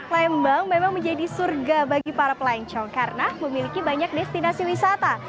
lembang memang menjadi surga bagi para pelancong karena memiliki banyak destinasi wisata